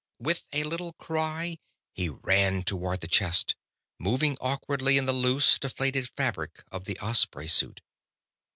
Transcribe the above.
With a little cry, he ran toward the chest, moving awkwardly in the loose, deflated fabric of the Osprey suit.